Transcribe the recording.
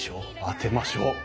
当てましょう。